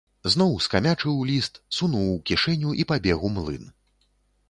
Зноў скамячыў ліст, сунуў у кішэню і пабег у млын.